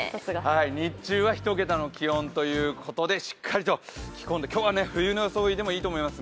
日中は１桁の気温ということでしっかりと着込んで今日は冬の装いでもいいと思います。